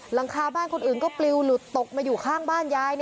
หลังคาบ้านคนอื่นก็ปลิวหลุดตกมาอยู่ข้างบ้านยาย